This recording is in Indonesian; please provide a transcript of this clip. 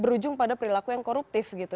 berujung pada perilaku yang koruptif gitu